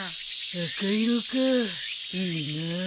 赤色かいいな。